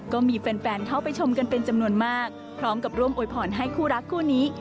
ก็มีแฟนเข้าไปชมกันเป็นจำนวนมากพร้อมกับร่วมโวยพรให้คู่รักคู่นี้